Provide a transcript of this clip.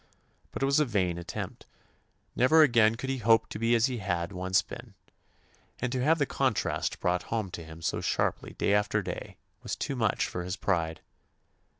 But it was a vain attempt. Never again could he hope to be as he had once been, and to have the contrast brought home to him so sharply day after day was too much for his pride.